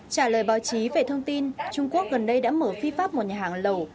trả lời báo chí về thông tin trung quốc gần đây đã mở phi pháp một nhà hàng lẩu